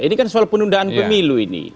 ini kan soal penundaan pemilu ini